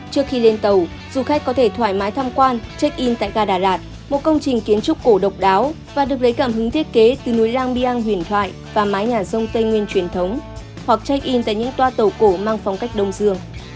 trước khi lên tàu du khách có thể thoải mái tham quan check in tại gà đà lạt một công trình kiến trúc cổ độc đáo và được lấy cảm hứng thiết kế từ núi giang biang huyền thoại và mái nhà rông tây nguyên truyền thống hoặc check in tại những toa tàu cổ mang phong cách đông dương